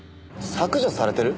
削除されてる？